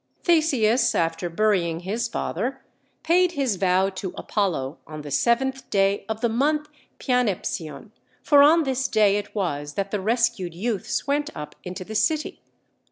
Theseus, after burying his father, paid his vow to Apollo, on the seventh day of the month Pyanepsion; for on this day it was that the rescued youths went up into the city.